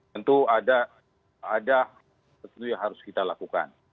tentu ada yang harus kita lakukan